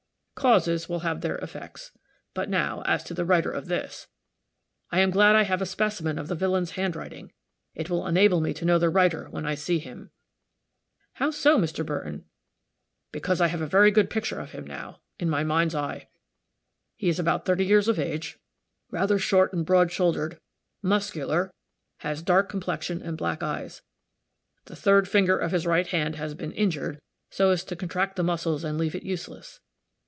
Causes will have their effects. But now, as to the writer of this I am glad I have a specimen of the villain's handwriting; it will enable me to know the writer when I see him." "How so, Mr. Burton?" "Because I have a very good picture of him, now, in my mind's eye. He is about thirty years of age, rather short and broad shouldered, muscular; has dark complexion and black eyes; the third finger of his right hand has been injured, so as to contract the muscles and leave it useless.